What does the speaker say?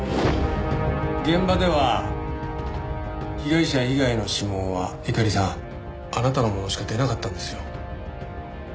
現場では被害者以外の指紋は猪狩さんあなたのものしか出なかったんですよ。